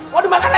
waduh makan aja